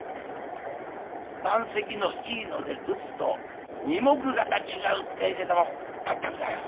盤石のいいので打つと二目がた違うってえけどもまったくだよ。